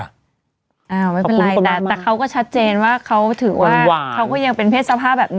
ไม่เป็นไรแต่เขาก็ชัดเจนว่าเขาถือว่าเขาก็ยังเป็นเพศสภาพแบบนี้